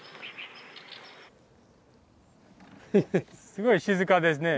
すごい静かですね。